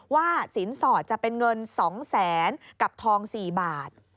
ว่าสินสอดจะเป็นเงิน๒๐๐๐๐๐กับทอง๔บาท